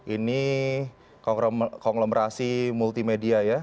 ini konglomerasi multimedia ya